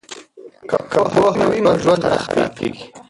که پوهه وي نو ژوند نه خرابیږي.